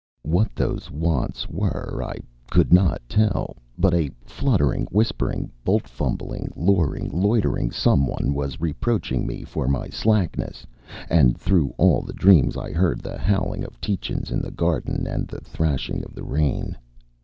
What those wants were I could not tell, but a fluttering, whispering, bolt fumbling, luring, loitering some one was reproaching me for my slackness, and through all the dreams I heard the howling of Tietjens in the garden and the thrashing of the rain.